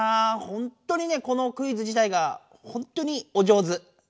ほんとにねこのクイズ自体がほんとにお上手。